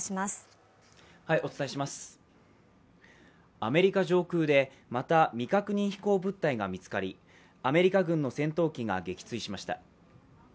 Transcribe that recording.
アメリカ上空でまた未確認飛行物体が見つかりアメリカ軍の戦闘機が撃墜しました。